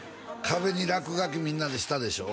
壁に落書きみんなでしたでしょ？